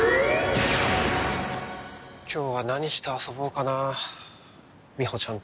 今日は何して遊ぼうかなみほちゃんと。